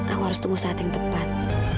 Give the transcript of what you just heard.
aku harus tunggu saat yang tepat